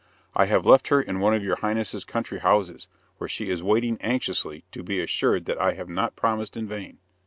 I have left her in one of your Highness's country houses, where she is waiting anxiously to be assured that I have not promised in vain."